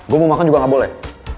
gue mau makan juga nggak boleh